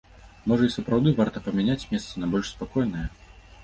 Можа і сапраўды варта памяняць месца на больш спакойнае?